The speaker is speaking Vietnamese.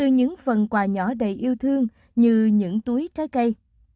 như những túi trái cây